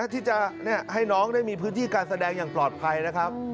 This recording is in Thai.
ที่จะให้น้องได้มีพื้นที่การแสดงอย่างปลอดภัยนะครับ